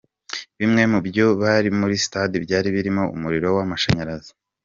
Bimwe mu byuma byari muri stade byari birimo umuriro w’amashanyarazi:.